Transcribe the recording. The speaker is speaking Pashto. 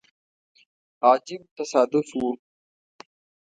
عجیب تصادف وو.